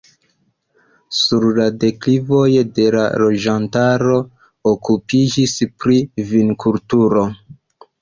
Sur la deklivoj la loĝantaro okupiĝis pri vinkulturo.